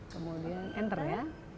kemudian enter ya